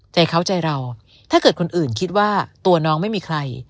ใจเขาใจเราถ้าเกิดคนอื่นคิดว่าตัวน้องไม่มีใคร